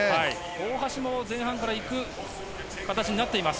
大橋も前半からいく形になっています。